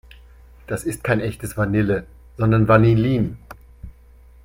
Das ist kein echtes Vanille, sondern Vanillin.